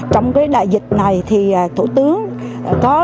trong cái đại dịch này